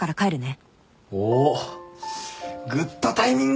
おっグッドタイミング！